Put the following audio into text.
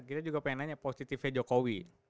kita juga pengen nanya positifnya jokowi